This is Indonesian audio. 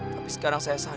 tapi sekarang saya jahat